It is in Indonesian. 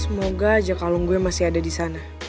semoga aja kalung gue masih ada di sana